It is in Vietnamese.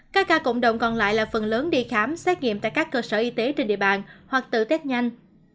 các ca cộng đồng còn lại là phần lớn đi khám xét nghiệm tại các cơ sở y tế trên địa bàn hoặc tự tết nhanh